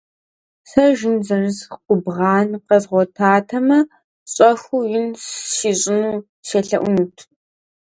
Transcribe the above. Сэ жин зэрыс къубгъан къэзгъуэтатэмэ, щӏэхыу ин сищӏыну селъэӏунут.